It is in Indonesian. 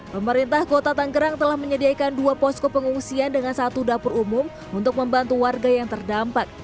pemerintah kota tanggerang telah menyediakan dua posko pengungsian dengan satu dapur umum untuk membantu warga yang terdampak